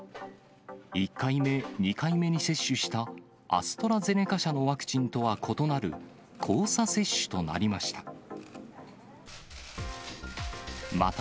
１回目、２回目に接種したアストラゼネカ社のワクチンとは異なる、交差接種となりました。